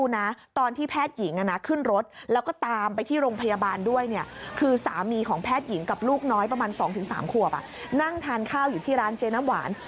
หน้าครอบพุทธ๒๓ควบอะขับทางห้าวอยู่ที่ร้านเจ๊น้ำหวาน